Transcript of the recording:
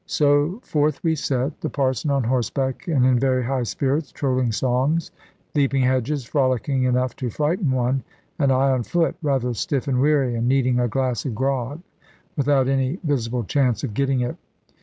So forth we set, the Parson on horseback, and in very high spirits, trolling songs, leaping hedges, frolicking enough to frighten one, and I on foot, rather stiff and weary, and needing a glass of grog, without any visible chance of getting it.